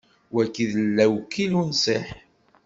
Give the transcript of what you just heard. Wagi d lewkil unṣiḥ.